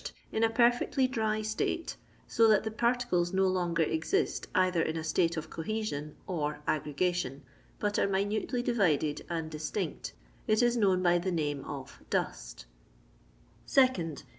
In a perfectly dry itate, lo that the par tidei DO longer exist either in a state of cohesion or aggregation, hut are minutely divided and dis tinct, it is known hy the name of ^ dust" 2nd.